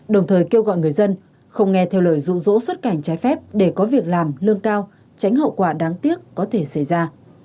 đồng thời kêu gọi người dân không nghe theo lời rụ rỗ xuất cảnh trái phép để có việc làm lương cao tránh hậu quả đáng tiếc có thể xảy ra